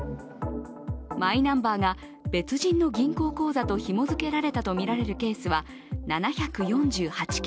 マイナンバーが別人の銀行口座とひも付けられたとみられるケースは７４８件。